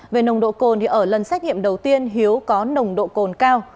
về nồng độ cồn thì ở lần xét nghiệm đầu tiên hiếu có nồng độ cồn cao